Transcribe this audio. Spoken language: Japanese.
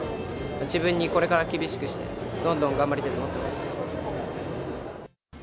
自分にこれから厳しくして、どんどん頑張りたいと思ってます。